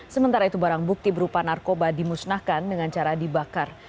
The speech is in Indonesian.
sementara itu barang bukti berupa narkoba dimusnahkan dengan cara dibakar